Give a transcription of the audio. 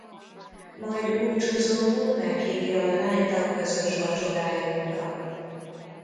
Majd búcsúzóul meghívja a lányt a közös vacsorájukra.